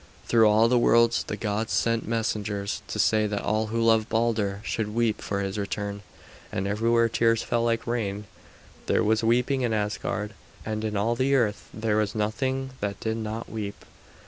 Through all the worlds the gods sent messengers to say that all who loved Balder should weep for his return, and everywhere tears fell like rain. There was weeping in Asgard, and in all the earth there was nothing that did not weep.